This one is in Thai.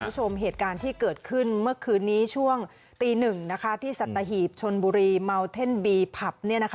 คุณผู้ชมเหตุการณ์ที่เกิดขึ้นเมื่อคืนนี้ช่วงตีหนึ่งที่สัตหีบชนบุรีเมาเท่นบีผับ